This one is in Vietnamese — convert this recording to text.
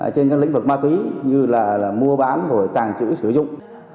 trên các lĩnh vực ma túy như là mua bán và tàn trữ sử dụng